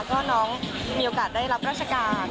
ก็น้องมีโอกาสได้รับราชการ